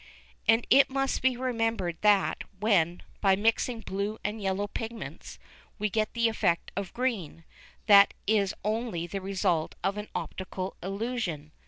And it must be remembered that when, by mixing blue and yellow pigments, we get the effect of green, that is only the result of an optical illusion.